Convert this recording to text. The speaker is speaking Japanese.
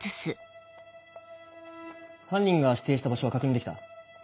犯人が指定した場所は確認できた？